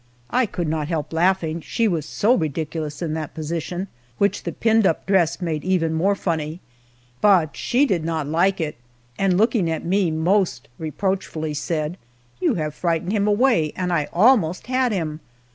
I could not help laughing she was so ridiculous in that position, which the pinned up dress made even more funny but she did not like it, and looking at me most reproachfully said, "You have frightened him away, and I almost had him."